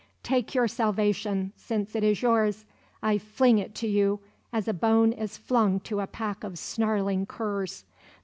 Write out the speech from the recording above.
"Take your salvation, since it is yours! I fling it to you as a bone is flung to a pack of snarling curs!